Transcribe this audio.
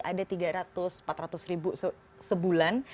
ada tiga ratus empat ratus ribu sebulan